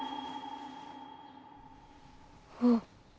あっ。